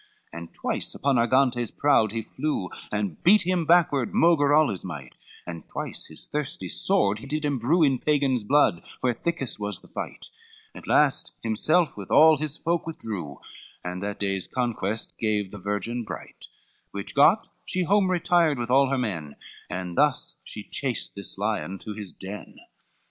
CXXII And twice upon Argantes proud he flew, And beat him backward, maugre all his might, And twice his thirsty sword he did imbrue, In Pagan's blood where thickest was the fight; At last himself with all his folk withdrew, And that day's conquest gave the virgin bright, Which got, she home retired and all her men, And thus she chased this lion to his den.